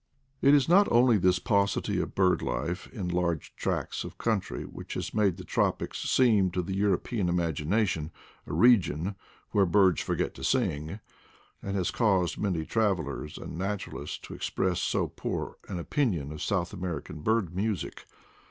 It is not only this paucity of bird life in large tracts of country which has made the tropics seem to the European imagination a region "where birds forget to sing/' and has caused many trav elers and naturalists to express so poor an opinion of South American bird music.